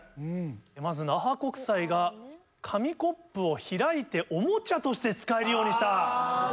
まず那覇国際が「紙コップを開いておもちゃとして使えるようにした」。